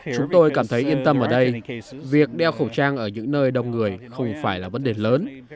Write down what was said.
chúng tôi cảm thấy yên tâm ở đây việc đeo khẩu trang ở những nơi đông người không phải là vấn đề lớn